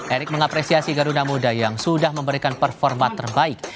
erick mengapresiasi garuda muda yang sudah memberikan performa terbaik